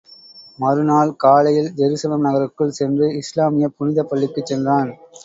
மறுநாள் காலையில், ஜெருசலம் நகருக்குள் சென்று, இஸ்லாமியப் புனிதப் பள்ளிக்குச் சென்றான்.